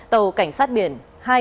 tàu cảnh sát biển hai nghìn bốn